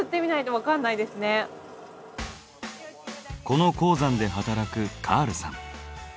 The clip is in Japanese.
この鉱山で働くカールさん。